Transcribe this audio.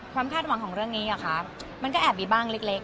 คาดหวังของเรื่องนี้มันก็แอบมีบ้างเล็ก